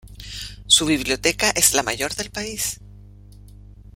Su biblioteca es la mayor del país.